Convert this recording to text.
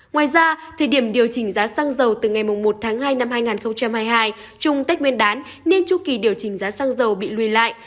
ngoài ra thời điểm điều chỉnh giá xăng dầu từ ngày một tháng hai năm hai nghìn hai mươi hai chung tết nguyên đán nên chu kỳ điều chỉnh giá xăng dầu bị lùi lại